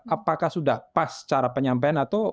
apakah sudah pas cara penyampaian atau